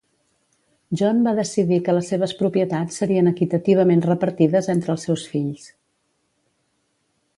John va decidir que les seves propietats serien equitativament repartides entre els seus fills.